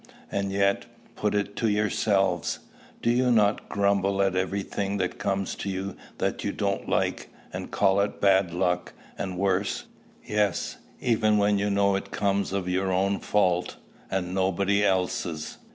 And yet, put it to yourselves, do you not grumble at every thing that comes to you that you don't like, and call it bad luck, and worse yes, even when you know it comes of your own fault, and nobody else's?